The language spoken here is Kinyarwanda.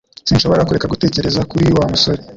Sinshobora kureka gutekereza kuri Wa musore